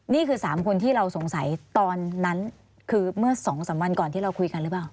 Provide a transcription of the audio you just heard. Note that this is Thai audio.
นี่คือ๓คนที่เราสงสัยตอนนั้นคือเมื่อ๒๓วันก่อนที่เราคุยกันหรือเปล่า